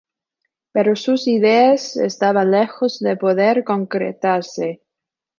Pero sus ideas estaban lejos de poder concretarse.